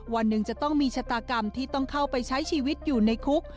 วันหนึ่งจะต้องมีชะตากรรมที่ต้องเข้าไปใช้ชีวิตอยู่ในคุก